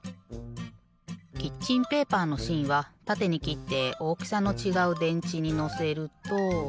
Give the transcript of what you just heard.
キッチンペーパーのしんはたてにきっておおきさのちがうでんちにのせると。